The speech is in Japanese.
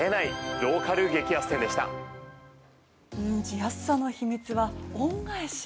安さの秘密は恩返し